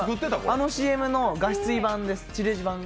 あのＣＭの地デジ版です。